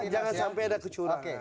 jangan sampai ada kecurangan